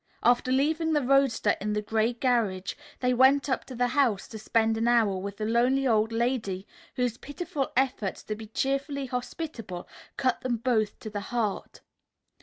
After leaving the roadster in the Gray garage, they went up to the house to spend an hour with the lonely old lady, whose pitiful efforts to be cheerfully hospitable cut them both to the heart.